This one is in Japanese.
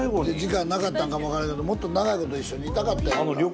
時間なかったんかもわからへんけどもっと長い事一緒にいたかった。